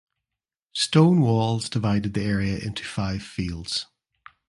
Stone walls divided the area into five fields.